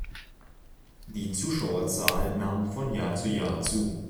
Die Zuschauerzahl nahm von Jahr zu Jahr zu.